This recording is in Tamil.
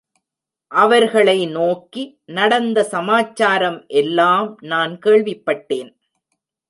அவர்களை நோக்கி, நடந்த சமாச்சாரம் எல்லாம் நான் கேள்விப்பட்டேன்.